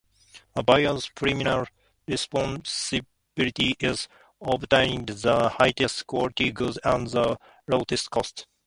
A buyer's primary responsibility is obtaining the highest quality goods at the lowest cost.